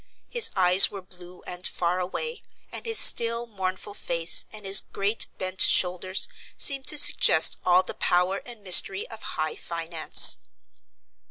His eyes were blue and far away, and his still, mournful face and his great bent shoulders seemed to suggest all the power and mystery of high finance.